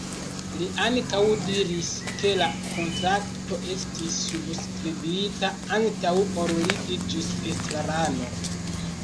Li ankaŭ diris, ke la kontrakto estis subskribita antaŭ ol li iĝis estrarano.